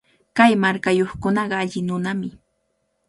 Kay markayuqkunaqa alli nunami.